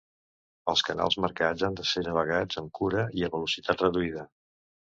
Els canals marcats han de ser navegats amb cura i a velocitat reduïda.